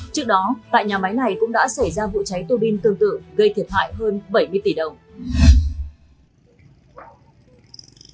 trước đó tại nhà máy này cũng đã xảy ra vụ cháy tô bin tương tự gây thiệt hại hơn bảy mươi tỷ đồng